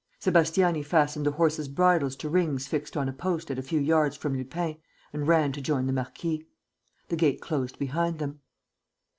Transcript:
Sébastiani fastened the horses' bridles to rings fixed on a post at a few yards from Lupin and ran to join the marquis. The gate closed behind them.